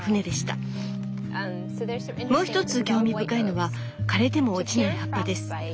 もう一つ興味深いのは枯れても落ちない葉っぱです。